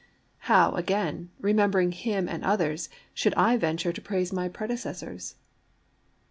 How, again, remembering him and others, should I venture to praise my predecessors?